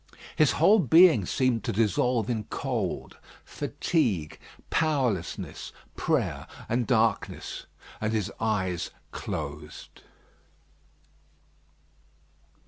His whole being seemed to dissolve in cold, fatigue, powerlessness, prayer, and darkness, and his eyes closed.